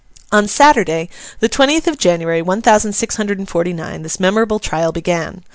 On Saturday, the twentieth of January, one thousand six hundred and forty nine, this memorable trial began.